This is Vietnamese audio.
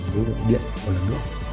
với đường điện một lần nữa